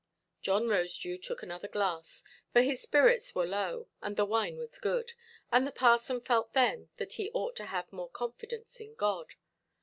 John Rosedew took another glass, for his spirits were low, and the wine was good, and the parson felt then that he ought to have more confidence in God.